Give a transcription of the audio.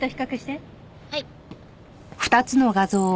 はい。